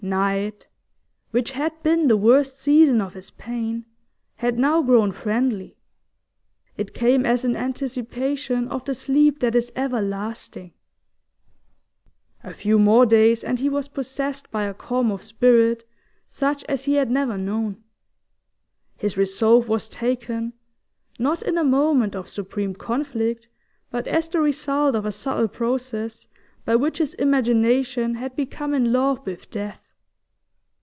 Night, which had been the worst season of his pain, had now grown friendly; it came as an anticipation of the sleep that is everlasting. A few more days, and he was possessed by a calm of spirit such as he had never known. His resolve was taken, not in a moment of supreme conflict, but as the result of a subtle process by which his imagination had become in love with death.